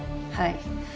はい。